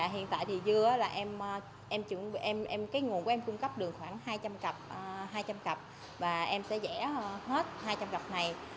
hiện tại thì dưa là em chuẩn bị cái nguồn của em cung cấp được khoảng hai trăm linh cặp và em sẽ vẽ hết hai trăm linh cặp này